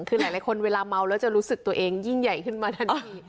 คือหลายคนเวลาเมาแล้วจะรู้สึกตัวเองยิ่งใหญ่ขึ้นมาทันที